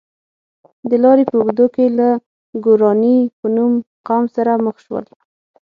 د لارې په اوږدو کې له ګوراني په نوم قوم سره مخ شول.